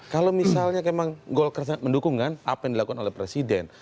kalau misalnya memang golkar sangat mendukung kan apa yang dilakukan oleh presiden